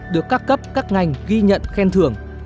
được các cấp các ngành ghi nhận khen thưởng